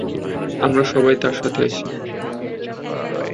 আমরা সবাই তার সাথে আছি।